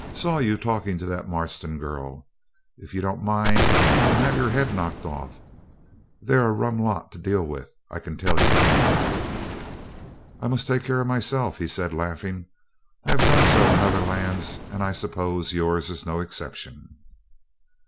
'Saw you talking to that Marston girl. If you don't mind you'll have your head knocked off. They're a rum lot to deal with, I can tell you.' 'I must take care of myself,' he said, laughing. 'I have done so in other lands, and I suppose yours is no exception.'